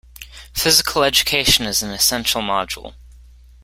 Physical Education is an essential module.